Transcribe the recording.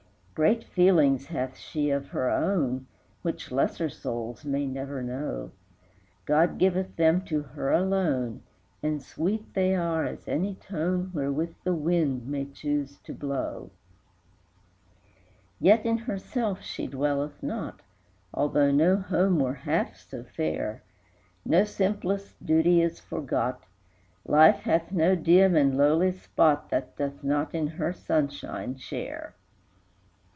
Great feelings hath she of her own, Which lesser souls may never know; God giveth them to her alone, And sweet they are as any tone Wherewith the wind may choose to blow. III. Yet in herself she dwelleth not, Although no home were half so fair; No simplest duty is forgot, Life hath no dim and lowly spot That doth not in her sunshine share.